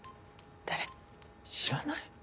知らない？